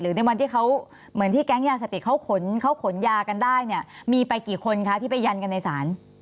หรือในวันที่แก๊งยาเสพติดเขาขนยากันได้เนี่ยมีไปกี่คนคะที่ไปยันกันในสาร